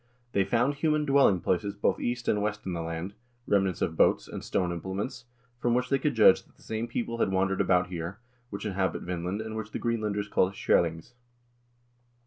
They found human dwelling places both east and west in the land, remnants of boats, and stone implements, from which they could judge that the same people had wandered about here, which inhabit Vinland, and which the Greenlanders call Skrselings.